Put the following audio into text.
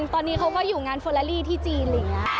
ตอนนี้เขาก็อยู่งานฟอราลี่ที่จีน